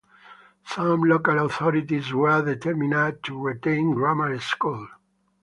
Some local authorities were determined to retain grammar schools.